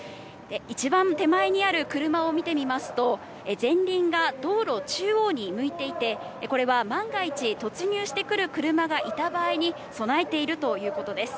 一番手前にある車を見てみますと、前輪が道路中央に向いていて、これは万が一、突入してくる車がいた場合に、備えているということです。